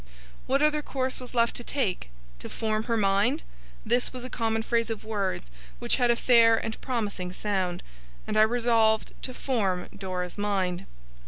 What other course was left to take? To 'form her mind'? This was a common phrase of words which had a fair and promising sound, and I resolved to form Dora's mind.